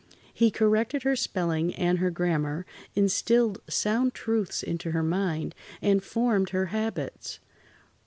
He corrected her spelling and her grammar, instilled sound truths into her mind, and formed her habits.